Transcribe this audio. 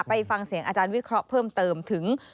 ไปฟังเสียงอาจารย์วิเคราะห์เพิ่มเติมถึง